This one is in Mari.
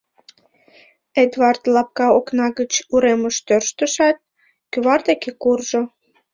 Эдвард лапка окна гыч уремыш тӧрштышат, кӱвар деке куржо.